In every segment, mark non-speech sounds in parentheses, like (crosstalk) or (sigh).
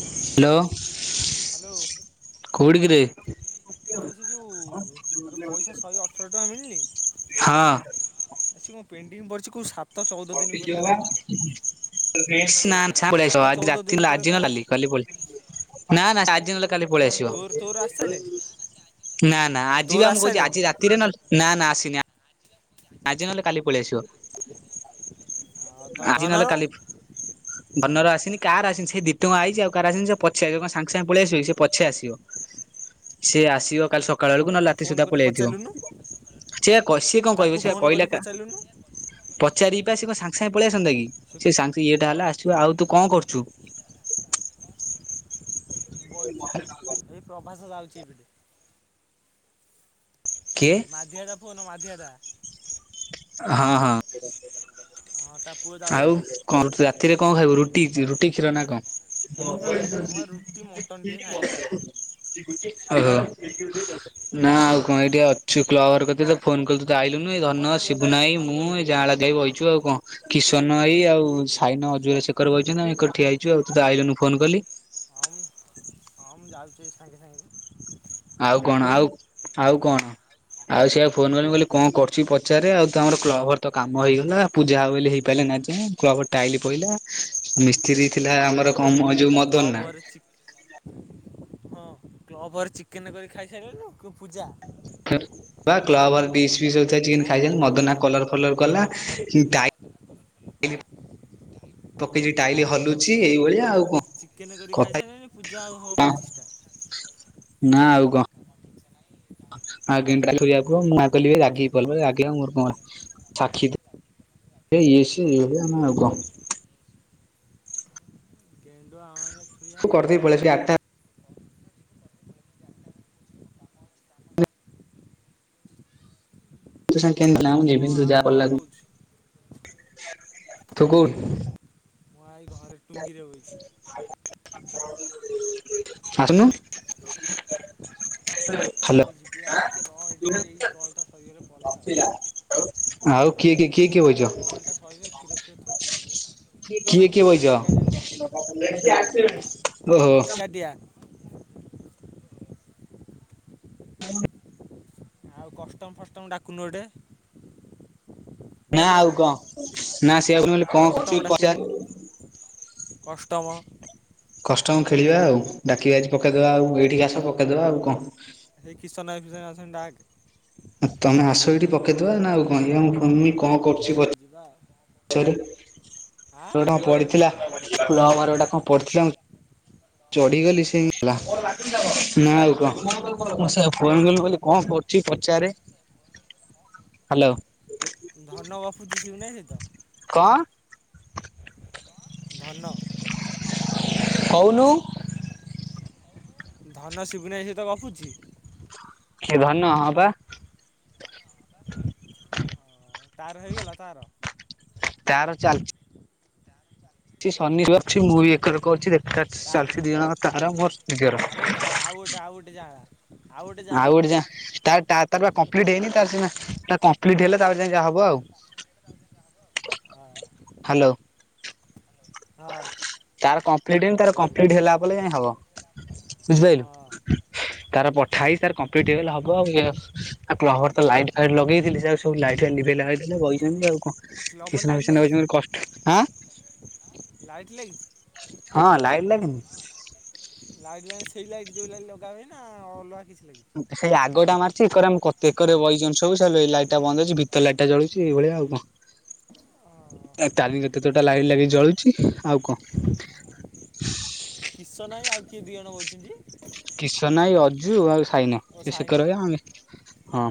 Hello. Hello. କଉଡ଼ିକିରେ। ଆଉ ସେ ଯୋଉ ଯୋଉ ପଇସା ଶହେ ଅଠର ଟଙ୍କା ମିଳିଲି। ହଁ। ଅଛି ମୁଁ ପେଣ୍ଟିଙ୍ଗ ପଡିଚି କୋଉ ସା (unintelligible) (unintelligible) ସାତ ଚଉଦ ଦିନ ପରେ କଣ କାଲି ପଳେଇ ଆସିବ ତୋର ତୋର ଆସିସାରିଲାଣି ନା ନା ଆଜି ବି ତୋର ଆ ମୁ କହୁଛି ଆସିସାରିଲାଣି ଆଜି ରା ତିରେ ନା ନା ଆସିନା ଆ (inaudible) ଆଜି ନହେଲେ କାଲି ପଳେଇଆସିବ। ଆଉ ଆଜି ନହେଲେ ଧନର କାଲି ଭନର ଆସିନି କାର ଆସିନ ସେ ଦି ଟଙ୍କା ଆଇଛି ଆଉ କାର ଆସିନି ସେ ପଛେ ଆସି କଣ ସାଙ୍ଗ ସାଙ୍ଗେ ପଳେଇ ଆସିବ କି ସେ ପଛେ ଆସିବ। ସେ ଆସିବ କାଲି ସକାଳକୁ ନା ତାକୁ ରାତି ଫୋନ ସୁଦ୍ଧା କରି ପଳେଆଇଥିବ ପଚାରିଲୁନୁ ସେ କ ସିଏ କଣ କହିବ ତାକୁ ସେ ଫୋନ କହିଲା କରି କା ପଚାରିଲୁନୁ ପଚାରି ପା ସେ କଣ ସାଙ୍ଗେ ସାଙ୍ଗେ ପଳେଇ ଆସନ୍ତା କି ସେ ସାଙ୍ଗେ ଇଏଟା ହେଲା ଆସିବ ଆଉ ତୁ କଣ କରୁଚୁ। ବଇଛି ଏଇ ପ୍ରବାସ ଯାଉଛି ଏଇପଟେ। କିଏ ମାଧିଆଦା ପୁଅନ ମାଧିଆଦା ହଁ ହଁ ହଁ ତା ପୁଅ ଆଉ ଯାଉଛି କଣ ରୁଟି ରାତିରେ କଣ ଖାଇବୁ ରୁଟି ରୁଟି କ୍ଷୀର ନା କଣ? (inaudible) ହଁ ରୁଟି ମଟନ ଟିକେ ଖାଇବା ଆଉ ଓହୋ। ନା ଆଉ କଣ ଏଇଠି ଅଛୁ କ୍ଲବ ଘର କତିରେ ଫୋନ କଲୁ ତୁ ତ ଆଇଲୁନି ଏଇ ଧନ ଶିବୁନା ଆଇ ମୁଁ ଏଇ ଜାଆଁଳା ଦିହେ ବଇଚୁ ଆଉ କଣ? କିଶନ ଆଇ ଆଉ ସାଇନ ଅଜୁ ଅଶେଖର ବଇଚନ୍ତି ଠିଆ ହେଇଛୁ ଆଉ ତୁ ତ ଆଇଲୁନି ଫୋନ କଲି। ହମ୍ ହଁ ମୁଁ ଯାଉଛି ସାଙ୍ଗେ ସାଙ୍ଗେ। ଆଉ କଣ ଆଉ ଆଉ କଣ ଆଉ ସେ ଫୋନ କଲି କହିଲି କଣ କରୁଚି ପଚାରେ ଆଉ ତମର କ୍ଲବ ଘରତ କାମ ହେଇଗଲା। ପୂଜା ହବ ବୋଲି ହେଇପାଇଲା ନାହିଁ। ଆଜିଯାଏଁ କ୍ଲବ ଘର ଟାଇଲି ପଇଲା। ମିସ୍ତ୍ରୀ ଥିଲା ହଁ କ୍ଲବ ଆମର କଣ ମ ଯୋଉ ମଦନା। ଚିକେନ ହଁ କ୍ଲବ ଘରେ ଚିକେନ କରି ଖାଇସାରିଲଣି ନା କୁ ପୂଜା। ବା କ୍ଲବ ଘରେ ପିସ୍ ପିସ୍ ଚିକେନ୍ ଆଁ ଖାଇଚନ୍ତି ମଦନା କଲର କଲର କଲା କି ଟାଇଲ୍ ପକେଇଚି ଟାଇଲ ହଲ୍। ପିଉଛି ଏଇଭଳିଆ ଆଉ କଣ ଚିକେନ କରି କଥା ଖାଇସାରିଲଣି ପୂଜା ଆଉ ହବ ପଚିଷ୍ଠା। ନା ଆଉ କଣ? ଆଉ କେମିତି କାଲି କରିବା କହୁ ମୁଁ କହିଲି ରାଗିକି ଗଲା ରାଗିଲା ମୋର କଣ ଗଲା। ସାକ୍ଷୀ ଦେ ଇଏ ସେ ଇଏ ହେବେ ଆମ ଆଉ କ? କେନ୍ଦୁଆ ଅଉନୁ। ତୁ କରିଦେଇ ପଳେଇ ଆସିଲି ଆଠଟା ତୋ ସାଙ୍ଗେ ଆଉ କେ ନା ମୁଁ କଣ ଯିବିନି ତୁ ଆଉ ଯାଆ କଣ ଭଲ କହୁଛୁ ଲାଗୁନି ଥୁକୁଲ୍। ମୁଁ ଆଇ ଘରେ ଟୁଙ୍ଗିରେ ବଇଚି। ଆସୁନୁ। ହଁ ହ୍ୟାଲୋ ଏଇ ଯିବି ଆଉ ଟିକେ ରହ ଏଠି ଏଠି କଲ୍ ଟା ସରିଗଲେ ପଳେଇବା ଆଉ। ଆଉ କିଏ କିଏ କିଏ କିଏ ବଇଚ ଏଇ କଲ୍ଟା ସରିଲେ କ୍ଷୀର ଫିର ଥୋଇକି ଯିବି କିଏ କିଏ ମୁଁ ବଇଚ। ଏକାଟିଆ ବଇଛି (unintelligible) ଏକାଟିଆ। ଆଉ କଷ୍ଟମ ଫଷ୍ଟମ ଡାକୁନୁ ଗୋଟେ। ନା ଆଉ କଣ ନା ସେ ଆଉ ନହଲେ କଷ୍ଟମ ଡାକୁନୁ କଷ୍ଟମ। କଷ୍ଟମ ଖେଳିବା ଆଉ ଡାକି ବାଜି ପକେଇଦବା ଆଉ ଏଇଠି ଆସ ପକେଇଦବା ଆଉ କଣ? ହେ କିଶନ ଅଫିସର ଅଛନ୍ତି ଡାକ୍। ତମେ ଆସ ଏଇଠି ପକେଇଦବା ନା ଆଉ କଣ ଇଏ ଆମ ଫୋନ୍ କ ହଁ ଯିବା। ସରି ଶହେ ଆଁ ଟଙ୍କା ପଡିଥିଲା କ୍ଲବଘରେ ଗୋଟା କଣ ପଡିଥିଲା। ପଡିଗଲି ସେ ହେଲା ନା ଆଉ କଣ ମୁଁ ସେଇଆ ଫୋନ୍ କଲି ମୁଁ କହିଲି କଣ କରୁଛୁ? କିଏ ପଚାରେ ହ୍ୟାଲୋ। ଧନ ଗପୁଚି ସିବୁନା ଭାଇ ସହିତ। କଣ? ଧନ। କହୁନୁ। ଧନ ସିବୁନା ସହିତ ଗପୁଛି। ହେ ଧନ ହଁ ପା। ତାର ହେଇଗଲା ତାର। ତାର ଚାଲିଚି। ଶନି ଯୋଉ ଅଛି ମୁଁ ବି ଏକର କରଛି ଦେଖା ତା ଚାଲିଛି ଦିଜଣ ତାଙ୍କର ମୋର ନିଜର। ହଁ ଆଉ ଗୋଟେ ଆଉ ଗୋଟେ ଯାଆଁଳା। ଆଉ ଗୋଟେ ଯାଆଁଳାର ଆଉଗୋଟେ ଯାଆଁଳା ତା ଟା। ତାର ପା କଂପ୍ଲିଟ୍ ହେଇନି ତାର ସିନା ତା କଂପ୍ଲିଟ୍ ହେଲେ ତା ପରେ ଯାଇ ଯା ହବ ଆଉ। ଆ। ହ୍ୟାଲୋ ହଁ। ତାର କମ୍ପଲିଟ ହେଇନି ତାର କମ୍ପଲିଟ ହେଲା ପଲେ ଯାଇଁ ହବ ବୁଝିପାଇଲୁ। ହଁ ତାର ହଁ ପଠାଇ ତାର କମ୍ପଲିଟ ହେଇଗଲେ ହବ ଆଉ ଏ। ଆଉ କ୍ଲବ ଘରେ ତ ଲାଇଟ୍ ଫାଇଟ୍ ଲଗେଇଥିଲି ସେ ସବୁ ଲାଇଟ୍ ଫାଇଟ୍ ଲିଭେଇ ଲାଭେଇ ଦେଲେ ବଇଛନ୍ତି ଆଉ କଅଁ। କ୍ଲବ୍ କିଛି ନା ଲାଇଟ୍ ବିଛିନା ଲାଗିଛି ରଛି ମୋ କଷ୍ଟ ହଁ। ଲାଇଟ୍ ଲାଗିଚି। ହଁ ଲାଇଟ ଲାଗିନି। ଲାଇଟ୍ ମାନେ ସେଇ ଲାଇଟ୍ ଯୋଉ ଲାଇଟ୍ ଲଗା ହୁଏ ନା ଅଲଗା କିଛି। ଲାଗିଛି ଉଁ। ସେଇ ଆଗଟା ମାରୁଛି ଏକ ଆମେତେ ଏକରେ ବ ସବୁ ଏଇ ଲଟା ବନ୍ଦ ଅଛିିତ ଲାଇଟ ଟା ଜଳୁଛି ଏଇଭଳିଆଉ କଣ। ଏଁ ତାରିଣୀ କତିରେ ତ ଟା ଲାଇଟ୍ ଲାଗିଚି ଜଳୁଛି ଆଉ କଅଁ। କିଶନ ଆଇ ଆଉ କିଏ ଦି ଜଣ ବଇଚନ୍ତି। କିଶନ ଆଇ ଅଜୁ ଆଉ ସାଇନ ଓ ସେ ସାଇନ ସେକରେ ଆମେ ହଁ।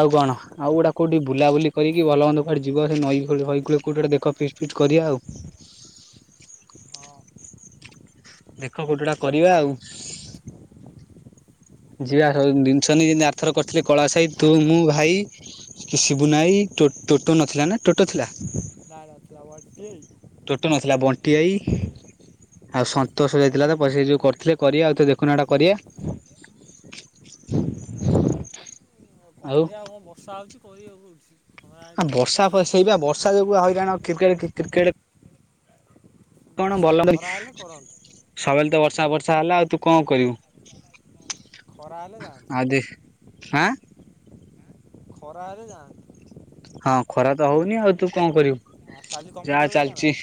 ଆଉ କଣ। ଆଉ ଗୋଟା କଉଠି ବୁଲାବୁଲି କରିକି ଭଲ ମନ୍ଦ କୁଆଡେ ଯିବ ସେ ନଈ ଫଇ କୂଳ କୋଉଠି ଗୋଟେ ଦେଖ ଫିଟି ଫିଟିକରିବା ଆଉ। ହଁ। ଦେଖ କୋଉଠି ଗୋଟା କରିବା ଆଉ। ଯିବା ସବୁ ଜିନିଷ ନେଇକି ଆରଥର କରିଥିଲେ କଳାଶ ଭାଇ ତୁ ମୁଁ ଭାଇ। କି ସିବୁନା ଆଇ ଟୋ ଟୋଟୋ ନଥିଲା ନା ଟୋଟୋ ଥିଲା। ନା ଥିଲା ବଣ୍ଟି। ଟୋଟ ନଥିଲା ବଣ୍ଟି ଆଇ ଆଉ ସନ୍ତୋଷ ଆଉ ଯାଇଥିଲା କିଏ ତା ପ ସେ ଯୋଉ କ ସେ କରିଆ ଆଉଥରେ ତ ଦେଖୁନା ଟା କରିବା। କରିଆ ଆଉ ବର୍ଷା ହଉଛି କରିଆ କଉଠି। ବର୍ଷା ସେଇ ବା ବର୍ଷା ଯୋଗୁ ହଇଲାଣକ୍ରିକେଟ କ୍ରିକେ। କଣ ବର୍ଷା ବଲ ନି। ଖରା ହେଲେ କରନ୍ତେ ସବୁବେଳେ ତ ବର୍ଷା ବର୍ଷା ହେଲା ଆଉ ତୁ କଅଁ କରିବୁ। ଖରା ହେଲେ ଯାଆନ୍ତା। ଆଦେ ଆ। ଖରା ହେଲେ ଯାଆନ୍ତ। ହଁ ଖରା ତ ହଉନି ଆଉ ତୁ କଅଁ କରିବୁ କାଲି ଯାଆ କମ୍ପ୍ୟୁଟର ଯିବା ନା ଚାଲଚି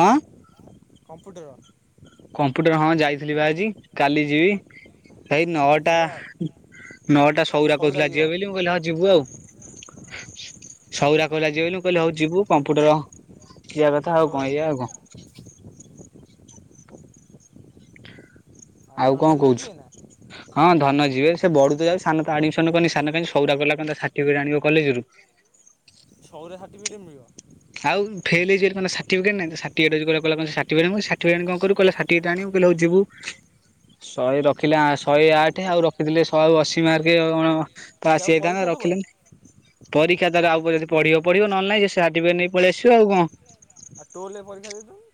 କଅଁ। କମ୍ପୁଟର। କମ୍ପୁଟର ହଁ ଯାଇଥିଲି ପା ଆଜି କାଲି ଯିବି। ଭାଇ ଆଉ କାଲି ନଅଟା ଯିବା ଆଉ ନଅଟା ସଉରା କହୁଥିଲା ଯିବ ବୋଲିି ମୁଁ କହିଲି ହଁ ଯିବୁ ଆଉ। ସଉରା କଇଲା ଯିବବୋଲି ମୁ କହିଲି ହଉ ଯିବୁ କମ୍ପୁଟର। ଇଆ ହଁ କଥା ଆଉ ସଉରା କଅଁ ଯିବ ଏଇଆ ଆଉ ବା କଅଁ। ଆଉ କଅଁ ଧନଜିରେ କଉଚୁ। ଯିବେ ନା ହଁ ଧନ ଯିବେ ସେ ବଢୁ ତ ଯାଉ ସାନ ତ ଆଡମିସନ କରିନି ସାନ କାଇଁ ସଉରା ଗଲା କଅଁ ସାର୍ଟିଫିକେଟ ଆଣିବ କଲେଜରୁ। ସଉରା ସାର୍ଟିଫିକେଟ୍ ମିଳିବ। ଆଉ ଫେଲ ହେଇଚି ଏଲି କଅଁ ସାର୍ଟିଫିକେଟ ନାଇଁ ତା ସା କି ଏ କହିଲା କଣ୍ ସାଟିଫିକେଟ ଆଣ ସାଟିଫିକେଟ କଣ କରି ବୁ ସାଟିଫିକେଟେ ଆଣ ବୁ ହଉ ଯିବୁ। ଶହେ ରଖିଲେ ଆଁ ଶହେ ଆଠେ ଆଉ ରଖିଥିଲେ ଶହେ ଅଶୀ ମାର୍କ ଅ ଅଣ। ସେ ପାସ୍ ଆଉ ହେଇଥାନ୍ତା ପରୀକ୍ଷା ଦବନି ରଖିଲାନି। ପରୀକ୍ଷା ତାର ଆଉ ପଢିବ ପଢିବ ନହେଲେ ନାଇଁ ସେ ସାର୍ଟିଫିକେଟ ନେଇ ପଳେଇ ଆସିବ ଆଉ କଣ। ଆଉ ଟୋଲରେ ପରୀକ୍ଷା ଦେଇ ଦେଉନୁ।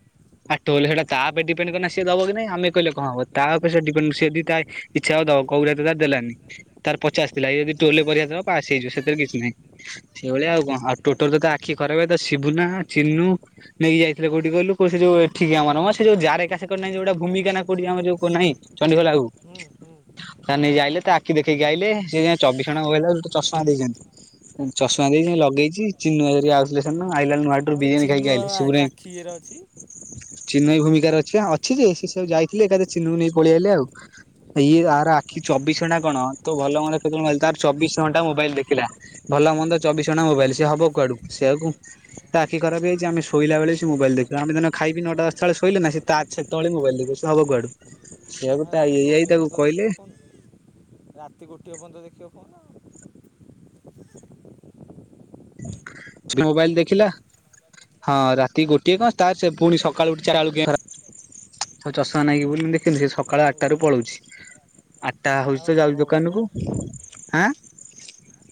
ଆଉ ଟୋଲ ସେଟା ତା ଉପରେ ଡିପେଣ୍ଡ କରେ ନା ସେ ଦବ କି ନାଇଁ ଆମେ କହିଲେ କଣ ହବ ତା ଉପରେ ସେ ଡିପେଣ୍ଡ ସିଏ ଦି ତା ଇଛା ହଉ ଦବ କଉ ତାର ଦେଲାନି ତାର ପଚାଶ ଥିଲା ଏ ଯଦି ଟୋଲରେ ପରିକ୍ଷା ଦେବ ପାସ ହେଇଯିବ ସେଥିରେ କିଛି ନାହିଁ। ସେଇଭଳିଆ ଆଉ କଣ ଆଉ ଟୋଟର ତ ଆଖି ଖରାପ ତ ସିବୁନା ଚିନୁ ନେଇକି ଯାଇଥିଲେ କୋଉଠି କହିଲୁ କଉ ସେ ଯଉ ଏଠିକି ଆମର ସେ ଯଉ ଯାରେ କା ସେକର ନାଇଁ ଯଉଟା ଭୂମିକା ନା କୋଉଠି ଆମ ଯୋଉ ନାହିଁ। ଚଣ୍ଡିଖୋଲ ହୁଁ ଆଗକୁ। ହୁଁ ତା ନେଇ ଆଇଲେ ତା ଆଖି ଦେଖିଇକି ଆଇଲେ ସେ ଚବିଶ ଘଣ୍ଟା କହିଲା ସେ ଗୋଟେ ଚଷମା ଦେଇଛନ୍ତି। ଚଷମା ଦେଇ ଲଗେଇଛିି ଚିନୁ ଭାଇ ହେରା ଆଉଥିଲେ ସେ ଦିନ ଆଇଲାଳୁ ମ୍ୟାଟ ରୁ ବିରିଆନି ଖାଇକି ଆଇଲେ, ସିବୁନ ହାଇ କିଏର ଅଛି? ଚିନୁ ଭାଇ ଭୂମିକାରେ ଅଛି ଅଛି ଯେ ସେ ସବୁ ଯାଇଥିଲେ ଏକା ଚିନୁକୁ ନେଇ ପଳେଇଆଇଲେ ଆଉ। ଇଏ ତାର ଆଖି ଚବିଶ ଘଣ୍ଟା କଣ ତୋ ଭଲ ମନ୍ଦ କେତବେଳେ ତାର ଚବିଶ ଘଣ୍ଟା ମୋବାଇଲ ଦେଖିଲା। ଭଲ ମନ୍ଦ ଚବିଶ ଘଣ୍ଟା ମୋବାଇଲ ସିଏ ହବ କୁଆଡୁ ସେଆକୁ ତା ଆଖି ଖରାପ ହେଇଯାଇଛି ଆମେ ଶୋଇଲା ବେଳେ ବି ସେ ମୋବାଇଲ ଦେ ଆମେ ନ ଖାଇ ପିଇ ନଅଟା ଦଶ ଟା ବେଳେ ଶୋଇଲେ ନା ସେତେବେଳେ ମୋବାଇଲ ଦେଖିବ ସେ ହବ କୁଆଡୁ। ଆଉ ତା ଇଏ ରାତି ଆଇ ଗୋଟିଏ ତାକୁ ପର୍ଯ୍ୟନ୍ତ କହିଲେ ଦେଖିବ ଫୋନ, ରାତି ଗୋଟିଏ ପର୍ଯ୍ୟନ୍ତ ଦେଖିବ ଫୋନ। ମୋବାଇଲ ଦେଖିଲା। ହଁ ରାତି ଗୋଟିଏ କଣ ତାର ସେ ପୁଣି ସକାଳୁ ଉଠିଲା ବେଳକୁ ସ ଚଷମା ନାଇକି ହଁ ବୁଲ୍ କିନ୍ତୁ ନଉ ସେ ନାମ ସକାଳ ନଉ ଆଟଟାରୁ ପଳଉଛି ଆଟଟା ତାଙ୍କ ହଉଛି ତ ଘର ଯାଉଛି ହଉଛି ଦୋକାନ ବା କୁ ହାଁ।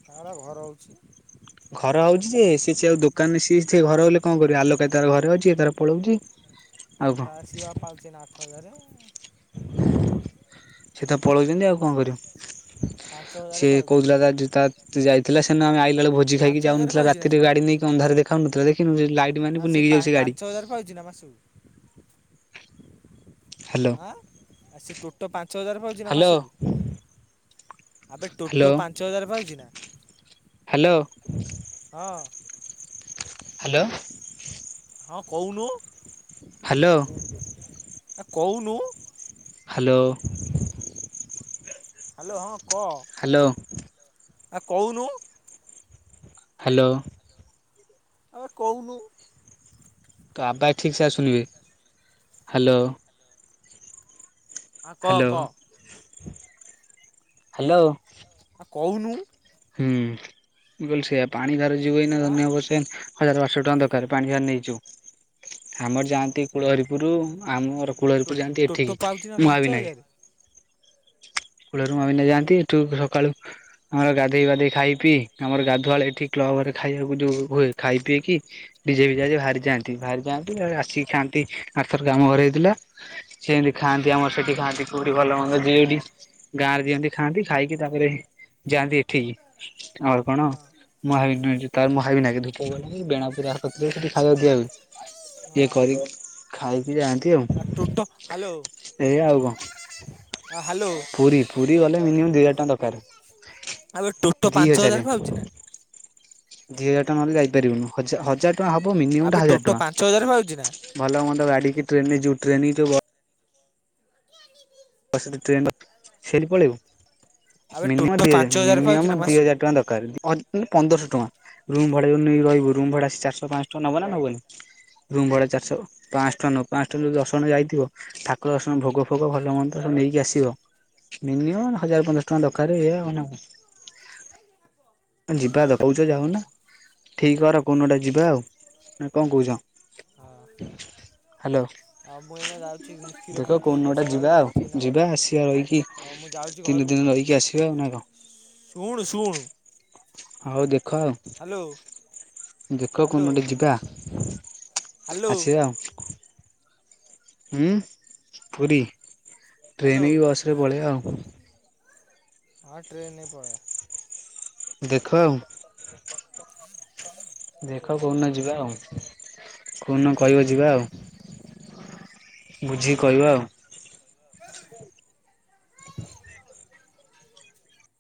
ତାର ଘର ହୋଉଛି। ଘର ହଉଛି ଯେ ସିଏ ସିଆଉ ଦୋକାନରେ ସିଏ ସେ ଘର ହେଲେ କଣ କରିବ ଆଲୋକ ଭାଇ ତାର ଘରେ ଅଛି ତାର ପଳଉଛି। (inaudible) ତା ଶିିଏ ପା ପାଉଛି ଏନା ଆଠ ହଜାରେ। ସେ ତ ପଳଉଛନ୍ତି ଆଉ କଣ କରିବ। ପାଞ୍ଚ ହଜାର ସେଏ ପାଉଛି କହୁଥିଲା ତା ତା ଯାଇଥିଲା ସେନ ଆମେ ଆଇଲା ବେଳେ ଭୋ ଜି ପାଞ୍ଚ ଖାଇକି ହଜାର ଯାଉନଥିଲା ପାଉଛି ନା ରାତିରେ ସିଏ ଗାଡି ନେଇକି ଅନ୍ଧାର ଦେଖାଉ ନଥିଲା ଦେଖିନୁ ଲାଇଟ୍ ମାନି ନେଇକି ଯାଉଛି ସେ ଗାଡି। ଗାର ପାଉଛି ନା ମାସକୁ। ହ୍ୟାଲୋ ଆଁ ଆ ସେ ଟୋଟପାଞ୍ଚ ହଜାର ପାଉଛି ନା ହ୍ୟାଲୋ ମାସକୁ। ଆବେ ଟୋଟୋ ହ୍ୟାଲୋ ପାଞ୍ଚ ହଜାର ପାଉଛି ନା? ହ୍ୟାଲୋ। ହଁ। ହ୍ୟାଲୋ। ହଁ କହୁନୁ। ହ୍ୟାଲୋ। ଆ କହୁନୁ। ହାଲୋ। ହାଲୋ ହଁ କହ। ହାଲୋ। ଆ କହୁନୁ। ହାଲୋ। ଆରେ କହୁନୁ। ତୋ ଆବାଜ୍ ଠିକ୍ ସେ ଆଶୁନି ବେ, ହ୍ୟାଲୋ। ଆ କହ ହ୍ୟାଲୋ, କହ ହ୍ୟାଲୋ। ଆ କହୁନୁ। ହୁଁ ମୁ କହିଲି ସେଆ ପାଣି ତାର ଯିବ ଏଇନା ଆଁ ଧନ୍ୟ ହେବ ସେ। ହଜାର ବାର ଶହ ଟଙ୍କା ଦରକାର ପାଣି ଭାର ନେଇଛୁ। ଆମର ହଁ ଯାଆନ୍ତି ଟୋ କୁଳହରୀପୁର ଆମ ଘର ଟୋ କୁଳହରିପୁର ଯାଆନ୍ତି ଟୋଟୋ ଏଠିକି ପାଉଛି ନା ପାଞ୍ଚ ମୁଁହାବିନାଗେ। ହଜାର କୂଳରୁ ମାମିିନ ଯାଆନ୍ତି ଏଠୁ ସକାଳୁ ଆମର ଗାଧୋଇ ବାଧେଇ ଖାଇ ପିଇ ଆମର ଗାଧୁଆଳ ଏଠି କ୍ଲବ ରେ ଖାଇବାକୁ ଯୋଉ ହୁଏ ଖାଇ ପିଏ କି। ଡିଜେ ଫିଜେ ଆଜି ବାହାରିଯାଆନ୍ତି ବାହାରି ଯାଆନ୍ତି ଆସିକି ଖାଆନ୍ତି ଆରଥରକ ଆମେ ଘରେ ହେଇଥିଲା। ସେମିତି ଖାଆନ୍ତି ଆମର ସେଠି ଖାଆନ୍ତି କୋଉଠି ଭଲ ମନ୍ଦ (unintelligible) ଗାଁ ରେ ଦିଅନ୍ତି ଖାଆନ୍ତି ଖାଇକି ତାପରେ ଯାଆନ୍ତି ଏଠିକି ଆମର କଣ ହଁ (unintelligible) ଇଏ ହଁ କରିି ଖାଇକି ଯାଆନ୍ତି ଆଉ ଆ ଟୋଟୋ ଏଇଆ ଆଉ କଣ। ହଁ ହାଲୋ। ପୁରୀ ପୁରୀ ଗଲେ ମିନିମମ୍ ଦୁଇ ହଜାର ଟଙ୍କା ଦରକାର। ଆବେ ଟୋଟୋ ଦି ପାଞ୍ଚ ହଜାରେ ହଜାର ପାଉଛି ନା? ଦି ହଜାର ଟଙ୍କା ନହେଲେ ଯାଇପାରିବୁନୁ। ହଜର ହଜାର ଟଙ୍କା ହବ ମିନିମମ୍ ଆବେ ଟା ହଜାର ଟୋଟୋ ପାଞ୍ଚ ହଜାର ପାଉଛି ନା ଟଙ୍କା। ଭଲ ମନ୍ଦ (unintelligible) (unintelligible) ପନ୍ଦରଶହ ଟଙ୍କା ରୁମ ଆବେ ଟୋଟୋ ଭଡା ପାଞ୍ଚ ହଜାର ନେଇ ପାଉଛି ନା ମାସକୁ ରହିବ ରୁମ ଭଡା ଚାରଶହ ପାଞ୍ଚ ଟଙ୍କା ନବ ନା ନବନି। ରୁମ୍ ଭଡା ଚାରିହ ପାଞ୍ଚ ଟଙ୍କ ନ ପାଞ୍ଚ ଟା ଯ ଦଶ ଜଣା ଯାଇଥିବ। ଠାକୁର ଦର୍ଶନ ଭୋଗ ଫୋଗ ଭଲ ମନ୍ଦ ସବୁ ନେଇକି ଆସିବ ମିନିମମ୍ ହଜାର ପନ୍ଦରସ ଟଙ୍କା ଦରକାର ଇ ଆଉ ନା କ। ଯିବା ତ କହୁଛ ହଁ ଯାଉନା ଠିକ କର କୋଉନଟା ଯିବା ଆଉ କଣ କହୁଛ? ହଁ ହ୍ୟାଲୋ। ଆଉ ମୁଁ ଏଇନା ଯାଉଛି ମୁଁ କ୍ଷୀର ଫିର ଦେଖ କୋଉ ଥୋଇକି ଆସି ଦିନଟା ଘରେ ଯିବା ଆଉ ଯାଉଛି ଏଇନା ଯିବା ଘରକୁ। ଆସିବା ରହିକି। ଆଉ ତିନି ଦିନ ରହିକି ଆସିବା ଆଉ ନା କଣ? ଶୁଣ ଶୁଣ। ହଉ ଦେଖ ଆଉ, ଦେଖ ହ୍ୟାଲୋ କଉନଟା ଯିବା। ହ୍ୟାଲୋ (unintelligible) ହୁ ପୁରୀ ହ୍ୟାଲୋ ଟ୍ରେନ କି ବସରେ ପଳବାଆଉ। ହଁ ଟ୍ରେନ ନେଇ ପଡେଇବା। ଦେଖ ଆଉ। (inaudible) ଦେଖ କୋଉଦିନ ଯିବା ଆଉ, କୋନ କହିବ ଯିବା ଆଉ। ବୁଝିକି କହିବା ଆଉ।